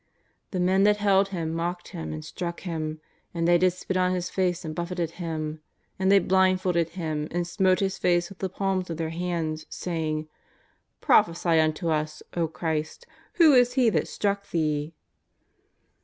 " The men that held Him mocked Him and struck Him. And they did spit on His face and buf feted Him. And they blindfolded Him and smote His face with the palms of their hands, saying: Prophesy unto us, O Christ! who is he that struck Thee?"